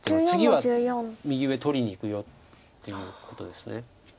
次は右上取りにいくよっていうことです。